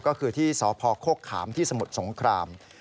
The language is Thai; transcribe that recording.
ก็คือที่สพโคกขามที่สมุทรสงคราม